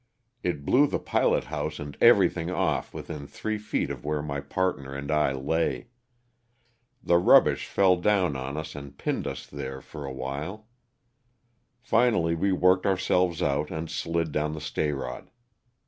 It blew the pilot house and everything off within three feet of where my partner and I lay. The rubbish fell down on us and pinned us there for a LOSS OF THE SULTA]SrA. 297 while. Finally we worked ourselves out and slid down the stayrod.